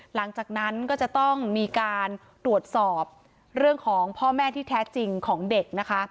หลังจากนั้นก็จะต้องมีการตรวจสอบเรื่องของพ่อแม่ที่แท้จริงของเด็กนะคะ